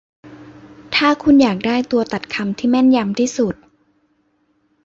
ถ้าคุณอยากได้ตัวตัดคำที่แม่นยำที่สุด